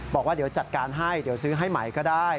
บอกว่าเดี๋ยวจัดการให้เดี๋ยวซื้อให้ใหม่ก็ได้